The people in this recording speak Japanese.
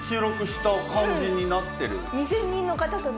２０００人の方とね。